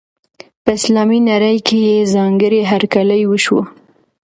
په اسلامي نړۍ کې یې ځانګړی هرکلی وشو.